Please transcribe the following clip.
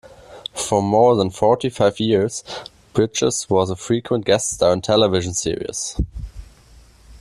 For more than forty-five years, Bridges was a frequent guest star on television series.